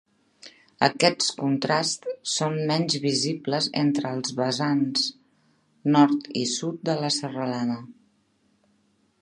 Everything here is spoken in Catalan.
Aquests contrasts són menys visibles entre els vessants nord i sud de la serralada.